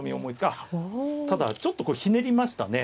あっただちょっとこれひねりましたね